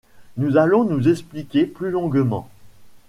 Nous allons nous expliquer plus longuement.